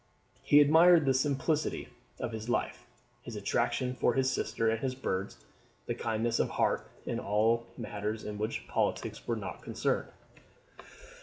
He admired the simplicity of his life, his affection for his sister and his birds, his kindness of heart in all matters in which politics were not concerned.